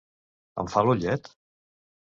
Em fa l'ullet?